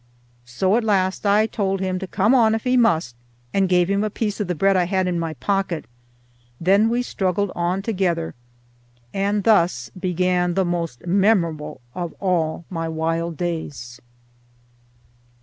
So at last I told him to come on if he must, and gave him a piece of the bread I had in my pocket; then we struggled on together, and thus began the most memorable of all my wild days.